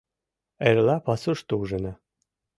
— Эрла пасушто ужына.